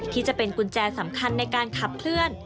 ที่จะเป็นกุญแจสำคัญในการขับเคลื่อน